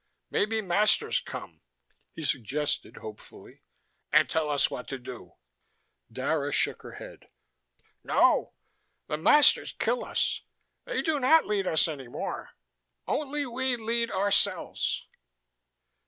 "Maybe masters come," he suggested hopefully, "and tell us what to do." Dara shook her head. "No. The masters kill us. They do not lead us any more. Only we lead ourselves."